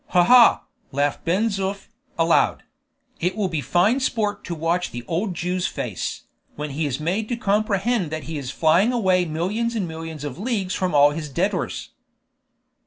"Ha! ha!" laughed Ben Zoof, aloud; "it will be fine sport to watch the old Jew's face, when he is made to comprehend that he is flying away millions and millions of leagues from all his debtors."